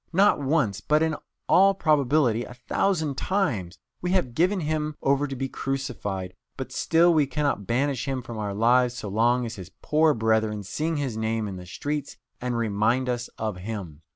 Not once, but, in all probability, a thousand times, we have given Him over to be crucified, but still we cannot banish Him from our lives so long as His poor brethren sing His name in the streets and remind us of Him.